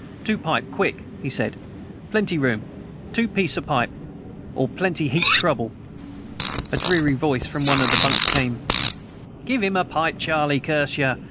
"Two pipe quick," he said. "Plenty room. Two piecee pipe or plenty heap trouble." A dreary voice from one of the bunks came: "Give 'im a pipe, Charlie, curse yer!